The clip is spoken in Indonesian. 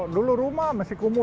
dulu rumah mesti kumuh